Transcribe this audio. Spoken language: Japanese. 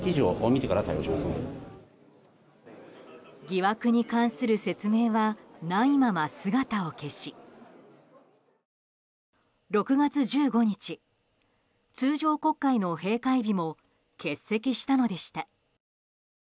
疑惑に関する説明はないまま姿を消し６月１５日、通常国会の閉会日も欠席したのでした。